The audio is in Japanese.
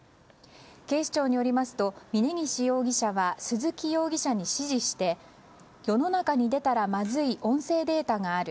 警視庁によりますと峯岸容疑者は鈴木容疑者に指示して世の中に出たらまずい音声データがある。